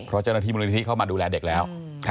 เพราะเจ้าหน้าที่มูลนิธิเข้ามาดูแลเด็กแล้ว